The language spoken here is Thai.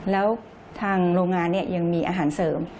แล้วทางโรงงานยังมีอาหารเสริม